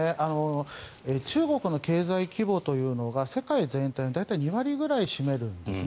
中国の経済規模というのが世界全体の大体２割ぐらいを占めるんです。